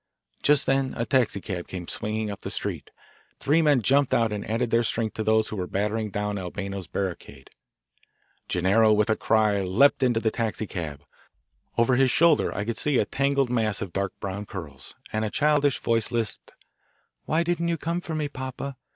Just then a taxicab came swinging up they street. Three men jumped out and added their strength to those who were battering down Albano's barricade. Gennaro, with a cry, leaped into the taxicab. Over his shoulder I could see a tangled mass of dark brown curls, and a childish voice lisped "Why didn't you come for me, papa?